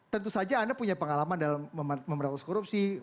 tentu saja anda punya pengalaman dalam memerangus korupsi